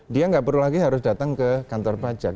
dia nggak perlu lagi harus datang ke kantor pajak